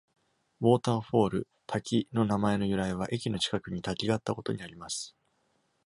ウォーターフォール（滝）の名前の由来は、駅の近くに滝があったことにあります。